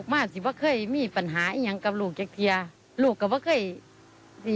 ว่าเคยติแผนคำว่าเออมาซ้อยแม่แนน